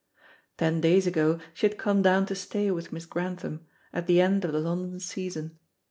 Ten days ago she had come down to stay with Miss Grantham, at the end of the London season.